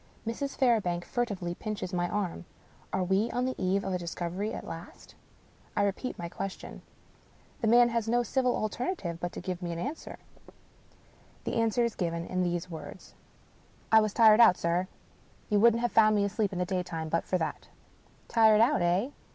Mrs. Fairbank furtively pinches my arm. Are we on the eve of a dis covery at last? I repeat my question. The man has no civil alternative but to give me an answer. The answer is given in these words : 221 English Mystery Stories " I was tired out, sir. You wouldn't have found me asleep in the daytime but for that." "Tired out, eh?